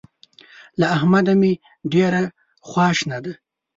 له احمده مې ډېره خواشنه ده.